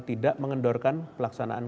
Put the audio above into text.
tidak mengendorkan pelaksanaan